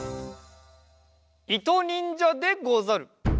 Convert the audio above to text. いとにんじゃでござる！